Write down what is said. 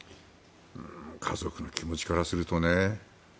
家族の気持ちからするとね。